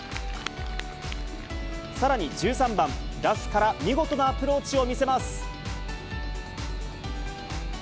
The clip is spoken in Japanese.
さらに１３番、ラフから見事なアプローチを見せます。